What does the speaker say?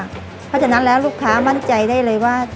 เพราะฉะนั้นแล้วลูกค้ามั่นใจได้เลยว่า